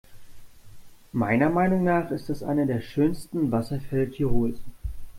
Meiner Meinung nach ist das einer der schönsten Wasserfälle Tirols.